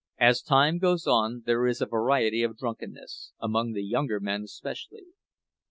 As time goes on there is a variety of drunkenness, among the younger men especially.